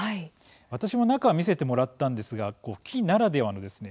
私も中を見せてもらったのですが木ならではのですね